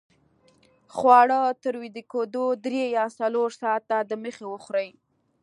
خواړه تر ویده کېدو درې یا څلور ساته دمخه وخورئ